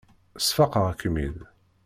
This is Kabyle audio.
Sfaqeɣ-kem-id.